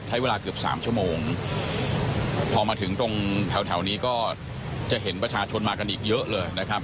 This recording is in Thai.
ใช้เวลาเกือบสามชั่วโมงพอมาถึงตรงแถวแถวนี้ก็จะเห็นประชาชนมากันอีกเยอะเลยนะครับ